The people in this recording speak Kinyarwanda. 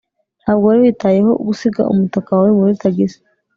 ntabwo wari witayeho gusiga umutaka wawe muri tagisi